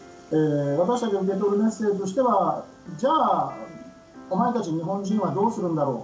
私たちが受け取るメッセージとしてはじゃあ、お前たち日本人はどうするんだろう。